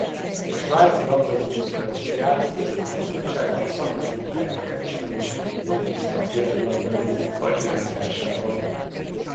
A Svájci Labdarúgó-szövetség Játékvezető Bizottsága szakmai munkájának elismeréseként megbízta a férfi labdarúgókupa irányításával.